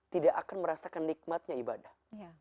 tidak akan merasakan nikmatnya ibadah